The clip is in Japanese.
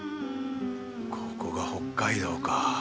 ここが北海道か。